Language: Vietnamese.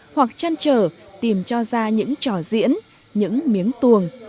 hoặc chăn trở tìm cho ra những trò diễn những miếng tuồng